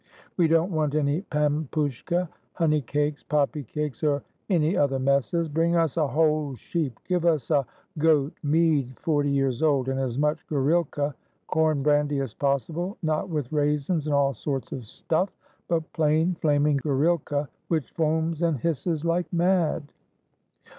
We don't want any pampushke, honey cakes, poppy cakes, or any other messes; bring us a whole sheep; give us a goat, mead forty years old, and as much gorilka [corn brandy] as possible, not with raisins and all sorts of stuff, but plain, flaming gorilka, which foams and hisses like mad."